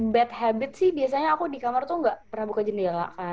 bad habit sih biasanya aku di kamar tuh nggak pernah buka jendela